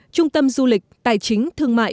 trung tâm du lịch tài chính thương mại